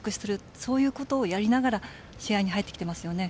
そういうことをやりながら試合に入ってきていますね。